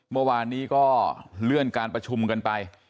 เมื่อวานนี้ก็เลื่อนการประชุมกันไป